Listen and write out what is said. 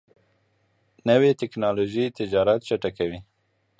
نوې ټکنالوژي تجارت چټکوي.